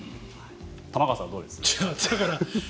玉川さんはどうです？